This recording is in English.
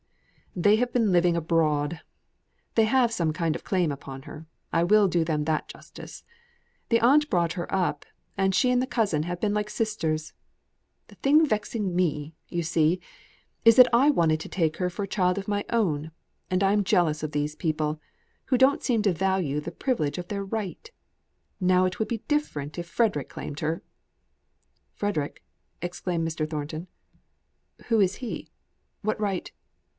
"They have been living abroad. They have some kind of claim upon her. I will do them that justice. The aunt brought her up, and she and the cousin have been like sisters. The thing vexing me, you see, is that I wanted to take her for a child of my own; and I am jealous of these people, who don't seem to value the privilege of their right. Now it would be different if Frederick claimed her." "Frederick!" exclaimed Mr. Thornton. "Who is he? What right